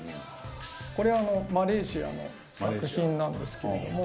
これはマレーシアの作品なんですけれども。